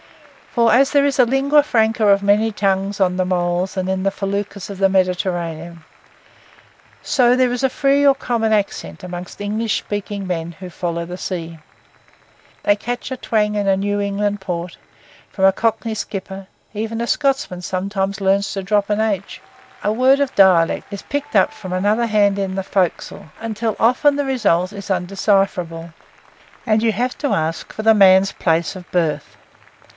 For as there is a lingua franca of many tongues on the moles and in the feluccas of the Mediterranean, so there is a free or common accent among English speaking men who follow the sea. They catch a twang in a New England Port; from a cockney skipper, even a Scotsman sometimes learns to drop an h; a word of a dialect is picked up from another band in the forecastle; until often the result is undecipherable, and you have to ask for the man's place of birth.